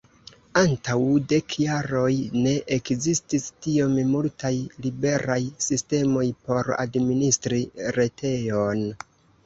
Antaŭ dek jaroj ne ekzistis tiom multaj liberaj sistemoj por administri retejon.